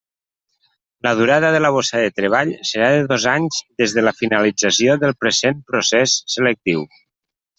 La durada de la bossa de treball serà de dos anys des de la finalització del present procés selectiu.